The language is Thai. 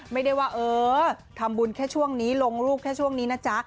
ไม่ได้ว่าเออทำบุญแค่ช่วงนี้ลงรูปแค่ช่วงนี้นะจ๊ะ